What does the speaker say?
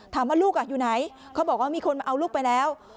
ลูกอยู่ไหนเขาบอกว่ามีคนมาเอาลูกไปแล้ว